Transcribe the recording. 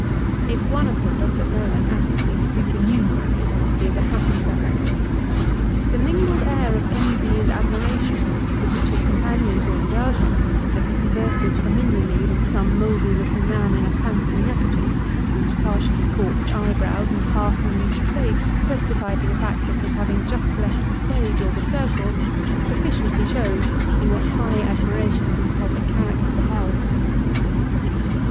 If one of them does but know an Astley's supernumerary he is a happy fellow. The mingled air of envy and admiration with which his companions will regard him, as he converses familiarly with some mouldy looking man in a fancy po Sketches by Boz. neckerchief, whose partially corked eyebrows, and half rouged face, testify to the fact of his having just left the stage or the circle, suffi ciently shows in what high admiration these public characters aro held.